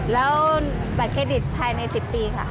แล้วบัตรเครดิตภายใน๑๐ปีค่ะ